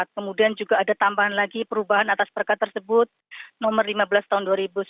kemudian juga ada tambahan lagi perubahan atas perka tersebut nomor lima belas tahun dua ribu sembilan belas